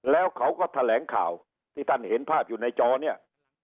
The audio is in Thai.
แล้วเขาก็แถลงข่าวที่ท่านเห็นภาพอยู่ในจอเนี่ย